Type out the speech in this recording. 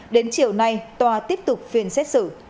đến chiều nay tòa tiếp tục phiên xét xử